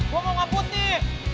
gue mau ngebut nih